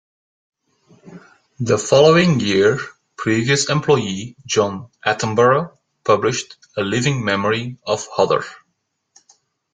The following year, previous employee John Attenborough published "A Living Memory of Hodder".